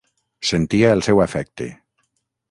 Sentia el seu afecte.